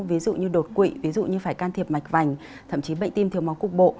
ví dụ như đột quỵ ví dụ như phải can thiệp mạch vành thậm chí bệnh tim thiếu máu cục bộ